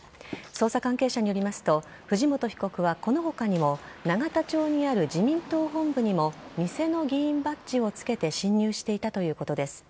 捜査関係者によりますと藤本被告は、この他にも永田町にある自民党本部にも偽の議員バッジを着けて侵入していたということです。